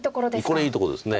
これいいとこです。